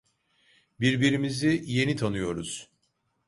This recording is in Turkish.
Birbirimizi yeni tanıyoruz.